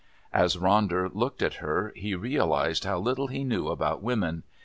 As Ronder looked at her he realised how little he knew about women.